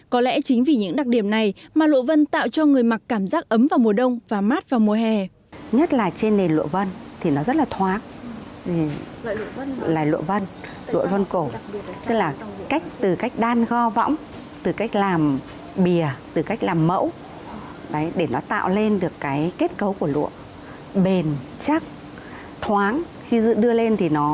có lẽ chính vì những đặc điểm này mà lụa vân tạo cho người mặc cảm giác ấm vào mùa đông và mát vào mùa hè